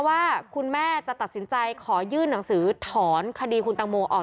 ว่าคุณแม่จะตัดสินใจขอยื่นหนังสือถอนคดีคุณตังโมออก